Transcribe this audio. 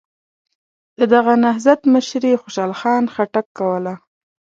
د دغه نهضت مشري خوشحال خان خټک کوله.